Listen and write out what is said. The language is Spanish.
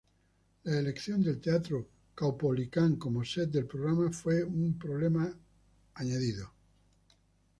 La elección del Teatro Caupolicán como set del programa fue un problema, añaden.